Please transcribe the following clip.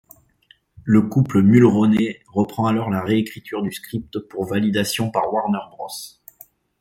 Le couple Mulroney reprend alors la réécriture du script pour validation par Warner Bros.